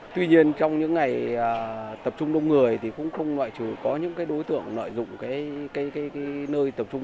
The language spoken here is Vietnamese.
tuy nhiên trong những ngày tập trung đông người thì cũng không ngoại trừ có những cái đối tượng nội dụng cái nơi tập trung